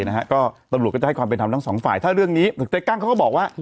นะฮะก็ตำรวจก็จะให้ความเป็นธรรมทั้งสองฝ่ายถ้าเรื่องนี้เจ๊กั้งเขาก็บอกว่า